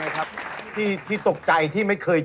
อ่าอ่าอ่า